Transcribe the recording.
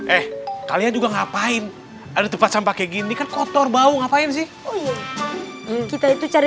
eh kalian juga ngapain ada tempat sampah kayak gini kan kotor bau ngapain sih kita itu cari